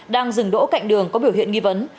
đang dừng đỗ cạnh đường có biểu hiện nghi vấn